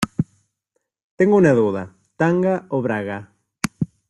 tengo una duda, ¿ tanga o braga?